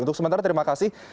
untuk sementara terima kasih